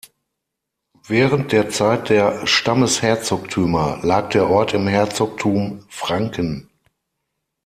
Während der Zeit der Stammesherzogtümer lag der Ort im Herzogtum Franken.